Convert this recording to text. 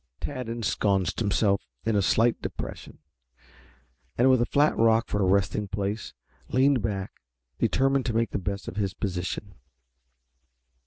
Tad ensconced himself in a slight depression, and with a flat rock for a resting place, leaned back determined to make the best of his position.